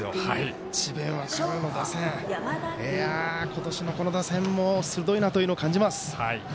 今年の、この打線も鋭いなというのを感じます。